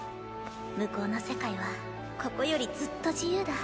向こうの世界はここよりずっと自由だ。